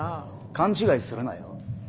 勘違いするなよ。